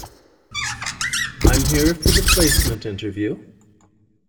I'm here for the placement interview.